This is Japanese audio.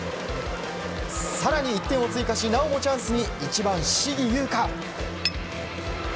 更に１点を追加しなおもチャンスで１番、信貴友郁。